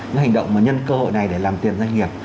những hành động và nhân cơ hội này để làm tiền doanh nghiệp